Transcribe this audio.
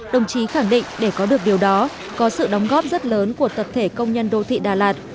đồng chí khẳng định để có được điều đó có sự đóng góp rất lớn của tập thể công nhân đô thị đà lạt